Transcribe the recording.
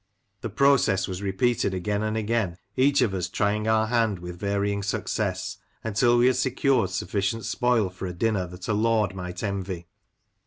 The process was repeated again and again, each of us trying our hand with varying success, until we had secured sufficient spoil for a dinner that a lord might envy.